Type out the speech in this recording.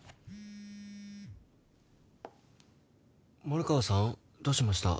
丸川さん？どうしました？